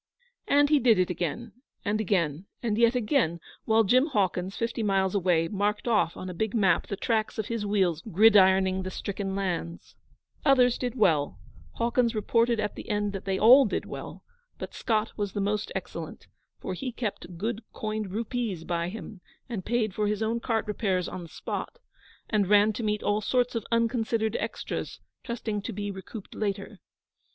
And he did it again and again, and yet again, while Jim Hawkins, fifty miles away, marked off on a big map the tracks of his wheels gridironing the stricken lands. Others did well Hawkins reported at the end that they all did well but Scott was the most excellent, for he kept good coined rupees by him, and paid for his own cart repairs on the spot, and ran to meet all sorts of unconsidered extras, trusting to be recouped later.